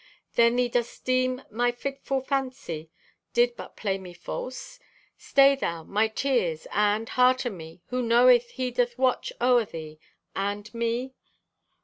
"Then thee dost deem my fitful fancy did but play me false? Stay thou, my tears, and, heart o' me, who knoweth He doth watch o'er thee and me?